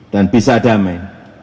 dan bisa damai